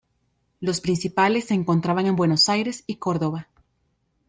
Los principales se encontraban en Buenos Aires, y Córdoba.